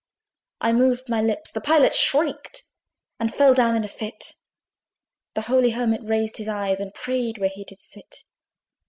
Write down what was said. I moved my lips the Pilot shrieked And fell down in a fit; The holy Hermit raised his eyes, And prayed where he did sit.